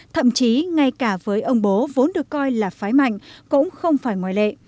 thậm chí ngay cả với ông bố vốn được coi là phái mạnh cũng không phải ngoại lệ